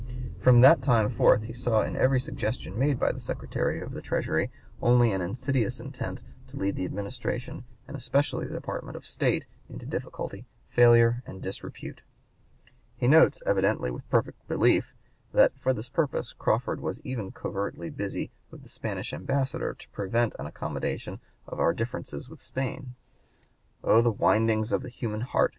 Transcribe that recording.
From that time forth he saw in every suggestion made by the Secretary of the Treasury only an insidious intent to lead the Administration, and especially the Department of State, into difficulty, failure, and disrepute. He notes, evidently with perfect belief, that for this purpose Crawford was even covertly busy with the Spanish ambassador to prevent an accommodation of our differences with Spain. "Oh, the windings of the human heart!"